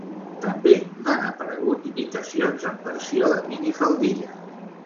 També n'han aparegut imitacions en versió de minifaldilla.